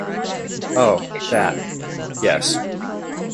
Oh, that, yes.